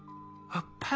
あっ！